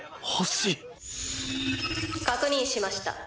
「確認しました。